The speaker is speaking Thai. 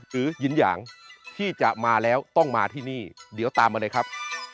หรือยินหยางที่จะมาแล้วต้องมาที่นี่เดี๋ยวตามมาเลยครับ